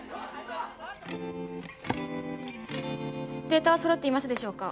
データはそろっていますでしょうか？